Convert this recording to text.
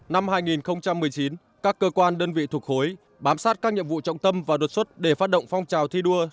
năm hai nghìn một mươi chín các cơ quan đơn vị thuộc khối bám sát các nhiệm vụ trọng tâm và đột xuất để phát động phong trào thi đua